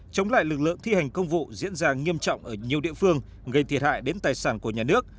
chống lại lực lượng thi hành công vụ diễn ra nghiêm trọng ở nhiều địa phương gây thiệt hại đến tài sản của nhà nước